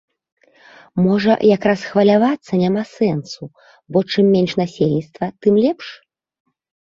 Можа як раз хвалявацца няма сэнсу, бо чым менш насельніцтва, тым лепш?